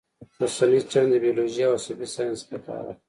اوسنۍ څېړنه د بیولوژۍ او عصبي ساینس څخه کار اخلي